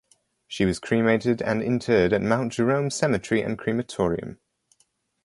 She was cremated and interred at Mount Jerome Cemetery and Crematorium.